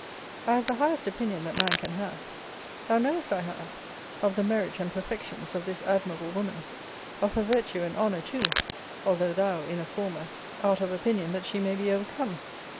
I have the highest opinion that man can have (thou knowest I have) of the merit and perfections of this admirable woman; of her virtue and honour too, although thou, in a former, art of opinion that she may be overcome.